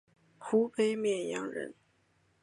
湖北沔阳人。